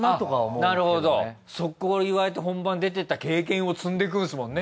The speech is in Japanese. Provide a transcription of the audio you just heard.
ソッコー言われて本番出てった経験を積んでくんですもんね。